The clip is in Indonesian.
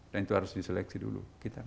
dan itu harus diseleksi dulu